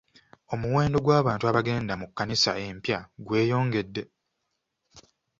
Omuwendo gw'abantu abagenda mu kkanisa empya gweyongedde.